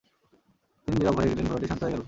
তিনি নীরব হয়ে গেলেন ঘোড়াটি শান্ত হয়ে গেল।